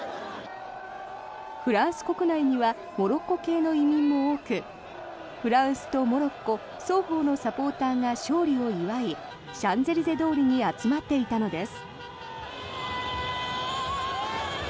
フランス国内にはモロッコ系の移民も多くフランスとモロッコ双方のサポートが勝利を祝いシャンゼリゼ通りに集まっていたのです。